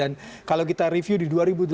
dan kalau kita review di dua ribu delapan belas